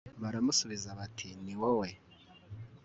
baramusubiza bati, niwowe